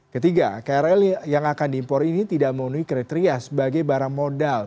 ketiga krl yang akan diimpor ini tidak memenuhi kriteria sebagai barang modal